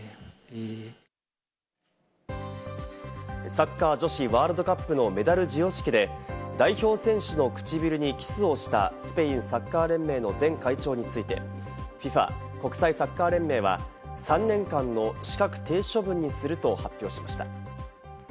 サッカー女子ワールドカップのメダル授与式で、代表選手の唇にキスをしたスペインサッカー連盟の前会長について、ＦＩＦＡ＝国際サッカー連盟は３年間の資格停止処分にすると発表しました。